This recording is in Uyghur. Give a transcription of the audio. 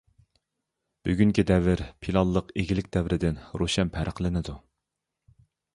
بۈگۈنكى دەۋر پىلانلىق ئىگىلىك دەۋرىدىن روشەن پەرقلىنىدۇ.